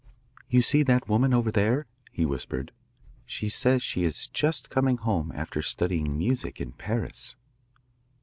"You see that woman over there? "he whispered. "She says she is just coming home after studying music in Paris."